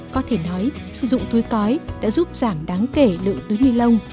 có thể nói sử dụng túi cói đã giúp giảm đáng kể lượng túi nilon